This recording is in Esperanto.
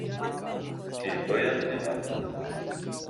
Kiu bojas, ne mordas.